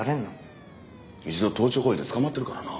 一度盗聴行為で捕まってるからな。